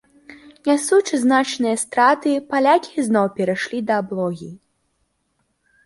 Нясучы значныя страты, палякі ізноў перайшлі да аблогі.